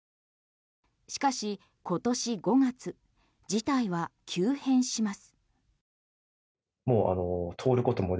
しかし今年５月事態は急変します。